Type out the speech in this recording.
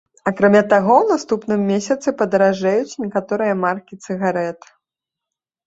Акрамя таго, у наступным месяцы падаражэюць некаторыя маркі цыгарэт.